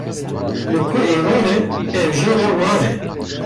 Li ku êvar e ew jê re war e.